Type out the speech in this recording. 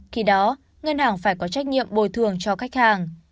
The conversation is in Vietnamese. khi đó ngân hàng phải có trách nhiệm bồi thường cho khách hàng